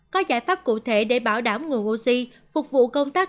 có giải pháp cụ thể để bảo đảm nguồn oxy phục vụ công tác